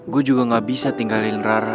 gue juga gak bisa tinggalin rara